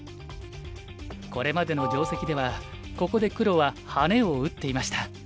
これまでの定石ではここで黒はハネを打っていました。